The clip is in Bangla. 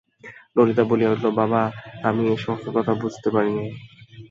ললিতা বলিয়া উঠিল, বাবা, আমি এ-সমস্ত কথা বুঝতে পারি নে।